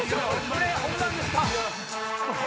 これ本番ですか？